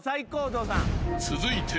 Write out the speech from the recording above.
［続いて］